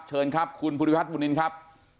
เชิญครับคุณภูริพัฒนบุญนินครับ